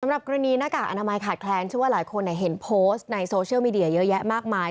สำหรับกรณีหน้ากากอนามัยขาดแคลนเชื่อว่าหลายคนเห็นโพสต์ในโซเชียลมีเดียเยอะแยะมากมาย